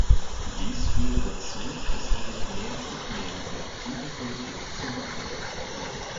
Dies führte dazu, dass er sich mehr und mehr der aktiven Politik zuwandte.